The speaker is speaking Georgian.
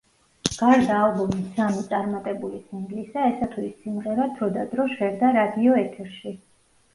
გარდა ალბომის სამი წარმატებული სინგლისა, ესა თუ ის სიმღერა დრო და დრო ჟღერდა რადიოეთერში.